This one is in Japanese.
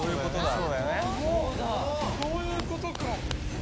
そうだ・そういうことか。